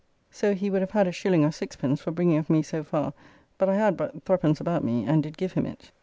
So he would have had a shilling or 6d. for bringing of me so far; but I had but 3d. about me and did give him it.